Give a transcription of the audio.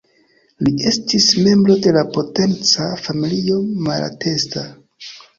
Li estis membro de la potenca familio Malatesta.